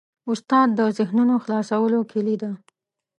استاد د ذهنونو خلاصولو کلۍ ده.